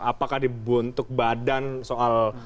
apakah dibuntuk badan soal